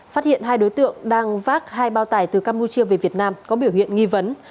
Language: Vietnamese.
phát hiện hai đối tượng đang vác hai bao tải từ campuchia về việt nam có biểu hiện nghi vấn